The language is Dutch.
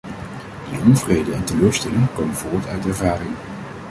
Die onvrede en teleurstelling komen voort uit ervaring.